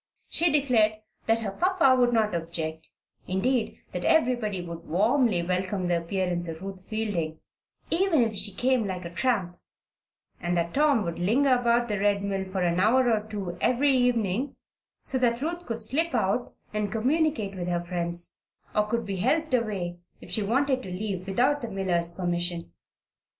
She declared that her papa would not object indeed, that everybody would warmly welcome the appearance of Ruth Fielding "even if she came like a tramp "; and that Tom would linger about the Red Mill for an hour or two every evening so that Ruth could slip out and communicate with her friends, or could be helped away if she wanted to leave without the miller's permission.